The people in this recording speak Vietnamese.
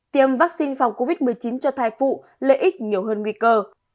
tiêm vaccine phòng covid một mươi chín cho thai phụ lợi ích nhiều hơn nguy cơ